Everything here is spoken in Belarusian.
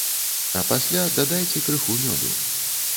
А пасля дадайце крыху мёду.